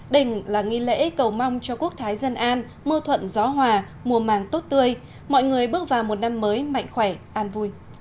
đỉnh là nghi lễ cầu mong cho quốc thái dân an mưa thuận gió hòa mùa màng tốt tươi mọi người bước vào một năm mới mạnh khỏe an vui